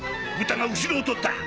豚が後ろをとった。